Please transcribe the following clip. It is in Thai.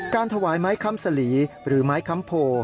การถวายไม้คำสรีหรือไม้คำโภ